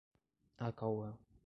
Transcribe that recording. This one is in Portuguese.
Acauã